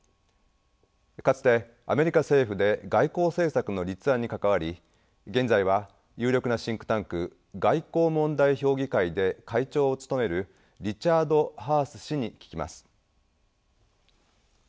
かつてアメリカ政府で外交政策の立案に関わり現在は有力なシンクタンク外交問題評議会で会長を務めるリチャード・ハース氏に聞きます。